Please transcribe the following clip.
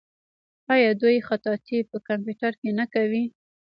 آیا دوی خطاطي په کمپیوټر کې نه کوي؟